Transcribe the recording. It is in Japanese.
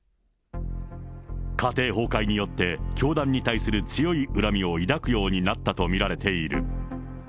家庭崩壊によって教団に対する強い恨みを抱くようになったと見られている。